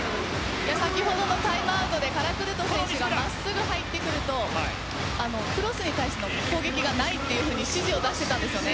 先ほどのタイムアウトでカラクルト選手が真っすぐ入ってくるとクロスに対して攻撃がないと指示を出していたんですよね。